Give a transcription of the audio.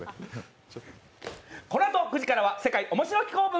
このあと９時からは世界面白紀行文。